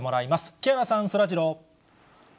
木原さん、そらジロー。